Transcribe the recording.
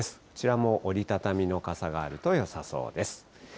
こちらも折り畳みの傘があるとよさそうです。